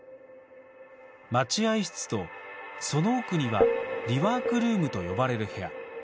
待合室と、その奥にはリワークルームと呼ばれる部屋。